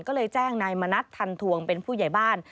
ก็เลยแจ้งนายมณัฐทันทวงเป็นผู้ใหญ่บ้าน